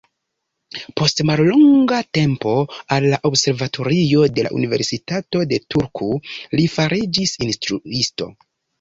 Post mallonga tempo en la observatorio de la universitato de Turku, li fariĝis instruisto.